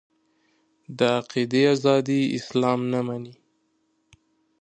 د عقیدې ازادي اسلام نه مني.